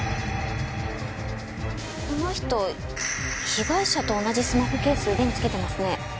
この人被害者と同じスマホケース腕につけてますね。